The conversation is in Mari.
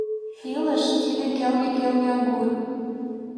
Илыш — тиде келге-келге агур.